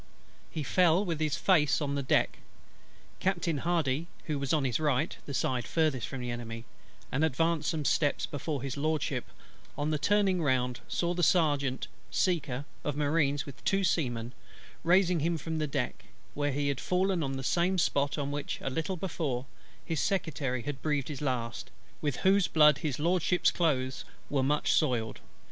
He fell with his face on the deck. Captain HARDY, who was on his right (the side furthest from the Enemy) and advanced some steps before His LORDSHIP, on turning round, saw the Serjeant Major (SECKER) of Marines with two Seamen raising him from the deck; where he had fallen on the same spot on which, a little before, his Secretary had breathed his last, with whose blood His LORDSHIP's clothes were much soiled.